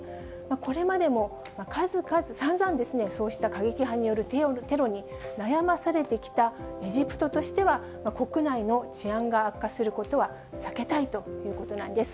これまでも、数々、散々、そうした過激派によるテロに悩まされてきたエジプトとしては、国内の治安が悪化することは避けたいということなんです。